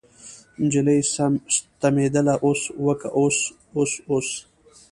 نجلۍ ستمېدله اوس وکه اوس اوس اوس.